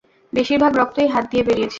বেশিরভাগ রক্তই হাত দিয়ে বেরিয়েছে।